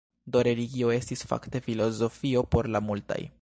Do religio estis fakte filozofio por la multaj.